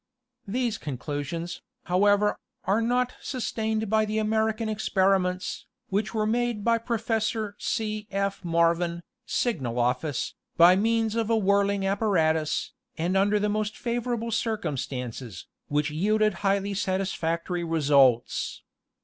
These conclusions, however, are not sustained by the American experiments, which were made by Professor C. F. Marvin, Signal Office, by means of a whirling apparatus, and under the most favorable circumstances, which yielded highly satisfactory results.